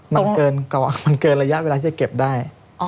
มันเกินกว่ามันเกินระยะเวลาที่จะเก็บได้